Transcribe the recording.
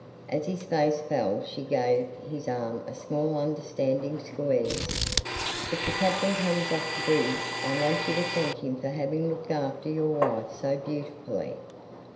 As his face fell she gave his arm a small understanding squeeze. "If the Captain comes off the bridge I want you to thank him for having looked after your wife so beautifully."